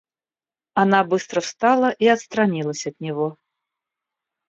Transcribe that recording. Она быстро встала и отстранилась от него.